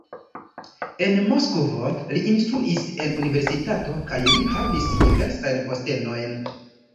En Moskvo li instruis en universitato kaj li havis diversajn postenojn.